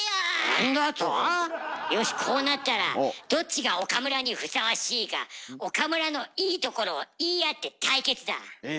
何だと⁉よしこうなったらどっちが岡村にふさわしいか岡村のいいところを言い合って対決だ！え？